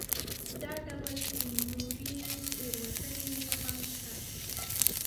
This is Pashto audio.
دا ډول نورې تېروتنې هم شته.